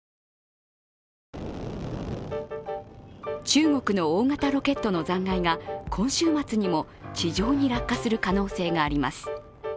中国の大型ロケットの残骸が今週末にも地上に落下する可能性があります。